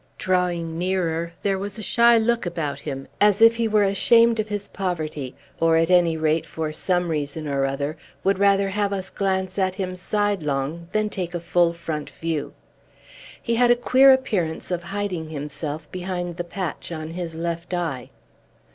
Drawing nearer, there was a shy look about him, as if he were ashamed of his poverty, or, at any rate, for some reason or other, would rather have us glance at him sidelong than take a full front view. He had a queer appearance of hiding himself behind the patch on his left eye.